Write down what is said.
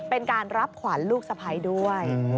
เป็นการรับขวัญลูกสะพ้ายด้วย